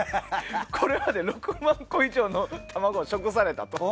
これまで６万個以上の卵を食されたと。